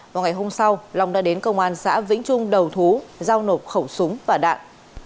vào ngày hôm sau long đã đến công an xã vĩnh trung đầu thú giao nộp khẩu súng và đạn